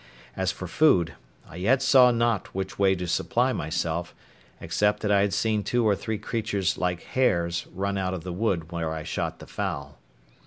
As for food, I yet saw not which way to supply myself, except that I had seen two or three creatures like hares run out of the wood where I shot the fowl.